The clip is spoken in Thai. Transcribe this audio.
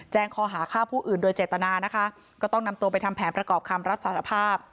คอหาฆ่าผู้อื่นโดยเจตนานะคะก็ต้องนำตัวไปทำแผนประกอบคำรับสารภาพ